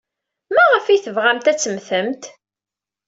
Maɣef ay tebɣamt ad temmtemt?